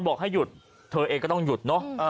บอกให้หยุดเธอเองก็ต้องหยุดเนอะ